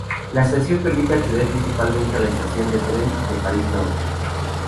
La estación permite acceder principalmente a la estación de tren de París Norte.